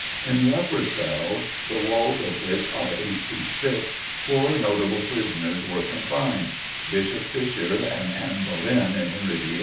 In the upper cell, the walls of which are eight feet thick, four notable prisoners were confined Bishop Fisher and Anne Boleyn in Henry VIII.